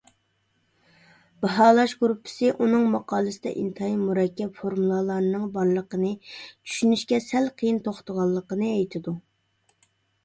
باھالاش گۇرۇپپىسى ئۇنىڭ ماقالىسىدە ئىنتايىن مۇرەككەپ فورمۇلالارنىڭ بارلىقىنى، چۈشىنىشكە سەل قىيىن توختىغانلىقىنى ئېيتىدۇ.